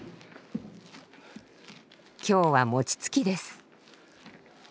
今日は餅つきです。